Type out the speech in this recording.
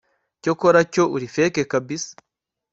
cyakora cyo uri feke kabisa